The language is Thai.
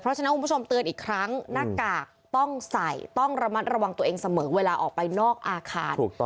เพราะฉะนั้นคุณผู้ชมเตือนอีกครั้งหน้ากากต้องใส่ต้องระมัดระวังตัวเองเสมอเวลาออกไปนอกอาคาร